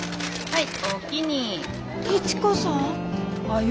はい。